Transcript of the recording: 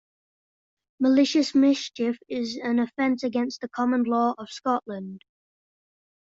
Malicious mischief is an offence against the common law of Scotland.